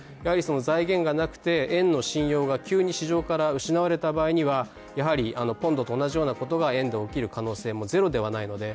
財源がなくて円の信用が急に市場から失われた場合には、やはりポンドと同じようなことが円でも起きる可能性がゼロではないので